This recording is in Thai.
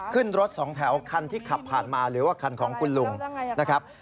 ขึ้นรถสองแถวคันที่ขับผ่านมาหรือว่าคันของคุณลุงนะครับ